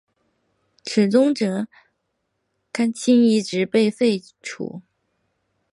自此中圻钦使一职被废除。